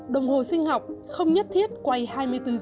đồng hồ sinh học không nhất thiết quay hai mươi bốn h